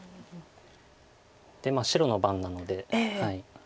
白の番なので。